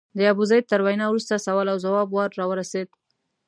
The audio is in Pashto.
د ابوزید تر وینا وروسته سوال او ځواب وار راورسېد.